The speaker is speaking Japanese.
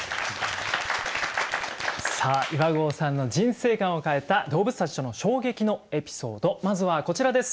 さあ岩合さんの人生観を変えた動物たちとの衝撃のエピソードまずはこちらです。